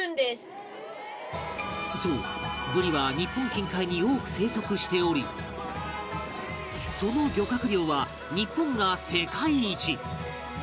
そうブリは日本近海に多く生息しておりその漁獲量は日本が世界一